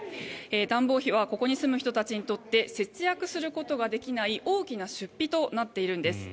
暖房費はここに住む人たちにとって節約することができない大きな出費となっているんです。